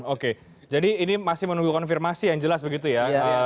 oke jadi ini masih menunggu konfirmasi yang jelas begitu ya